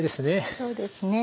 そうですね。